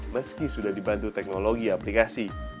meski sudah dibantu teknologi aplikasi